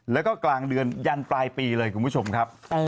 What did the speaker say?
แล้วก็กลางเดือนยันปลายปีเลยคุณผู้ชมครับ